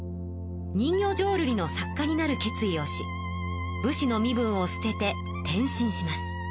人形浄瑠璃の作家になる決意をし武士の身分をすてて転身します。